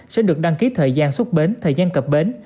sẽ được đăng ký thời gian xuất bến thời gian cập bến